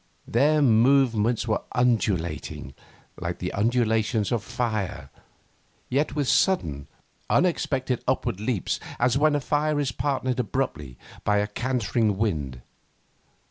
Their movements were undulating, like the undulations of fire, yet with sudden, unexpected upward leaps as when fire is partnered abruptly by a cantering wind.